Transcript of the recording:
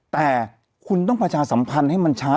แต่คุณต้องประชาสัมพันธ์ให้มันช้า